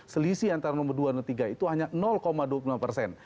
selisih antara nomor dua dan tiga itu hanya dua puluh lima persen